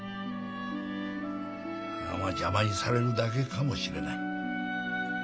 邪魔にされるだけかもしれない。